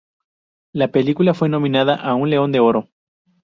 La película fue nominada a un León de Oro.